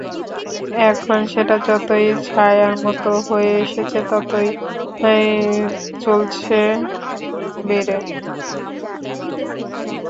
এখন সেটা যতই ছায়ার মতো হয়ে এসেছে, খরচও ততই চলেছে বেড়ে।